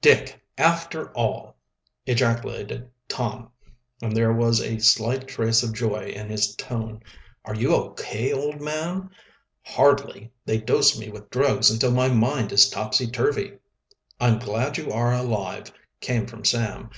"Dick, after all!" ejaculated Tom, and there was a slight trace of joy in his tone. "Are you O. K., old man?" "Hardly. They dosed me with drugs until my mind is topsy turvy." "I'm glad you are alive," came from Sam.